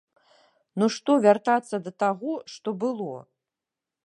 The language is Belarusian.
Ну што вяртацца да таго, што было?!